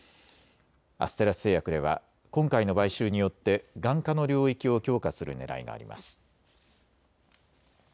アステラス製薬では今回の買収によって眼科の領域を強化するねらいがあります。